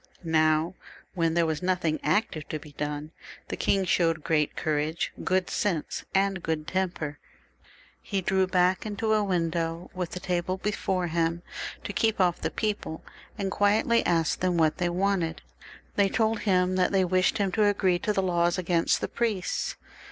Now when there was nothing active to be done, the king showed great courage, good sense, and good temper. He drew back into a win dow with a table before him to keep off the people, and quietly asked them what they wanted. They told him that they wished him to agree to the laws against the priests.